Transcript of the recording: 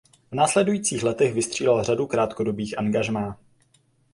V následujících letech vystřídal řadu krátkodobých angažmá.